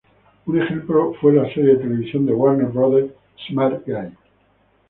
Un ejemplo fue la serie de televisión de Warner Brothers "Smart Guy".